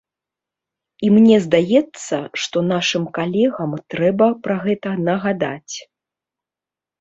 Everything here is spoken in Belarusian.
І мне здаецца, што нашым калегам трэба пра гэта нагадаць.